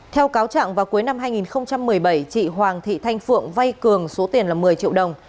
theo cáo trạng vào cuối năm hai nghìn một mươi bảy chị hoàng thị thanh phượng vay cường số tiền là một mươi triệu đồng